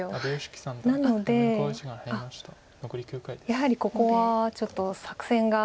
やはりここはちょっと作戦が。